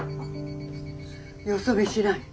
よそ見しない。